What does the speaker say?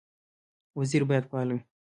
وزیر باید فعال وي